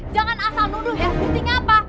jangan asal nuduh ya sepertinya apa